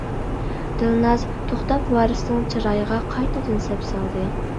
دىلناز توختاپ ۋارىسنىڭ چىرايىغا قايتىدىن سەپسالدى.